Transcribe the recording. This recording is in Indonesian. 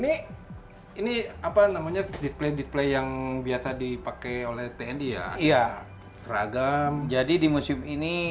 ini ini apa namanya display display yang biasa dipakai oleh tni ya iya seragam jadi di museum ini